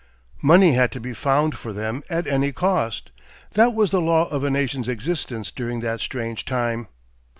Money had to be found for them at any cost that was the law of a nation's existence during that strange time.